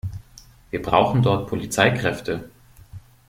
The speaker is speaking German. Wir brauchen dort Polizeikräfte.